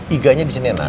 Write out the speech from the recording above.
iganya disini enak